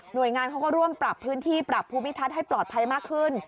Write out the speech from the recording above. โดยงานเขาก็ร่วมปรับพื้นที่ปรับภูมิทัศน์ให้ปลอดภัยมากขึ้น